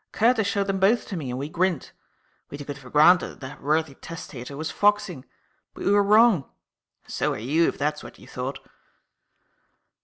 Curtis showed them both to me and we grinned. We took it for granted that the worthy testator was foxing. But we were wrong. And so are you, if that is what you thought."